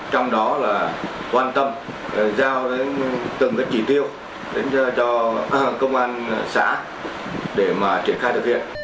trong đó là quan tâm giao đến từng chỉ tiêu cho công an xã để triển khai thực hiện